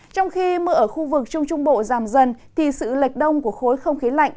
trong khi mưa ở khu vực trung trung bộ giảm dần thì sự lệch đông của khối không khí lạnh